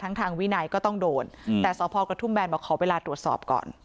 ทางทางวินัยก็ต้องโดนอือแต่สวพปกรณ์ทุ่มแมนบอกเขาเวลาตรวจสอบก่อน